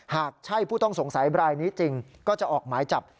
หากใช่ผู้ต้องสงสัยบรายนี้จริงก็จะออกหมายจับ